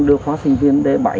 đưa khóa sinh viên d bảy